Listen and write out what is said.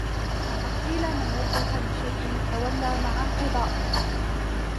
فَقَدْ قِيلَ مَنْ وَدَكَّ لِشَيْءٍ تَوَلَّى مَعَ انْقِضَائِهِ